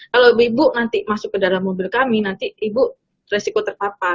kalau ibu ibu nanti masuk ke dalam mobil kami nanti ibu resiko terpapar